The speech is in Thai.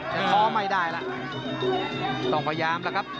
ท้อไม่ได้ล่ะต้องพยายามแล้วครับ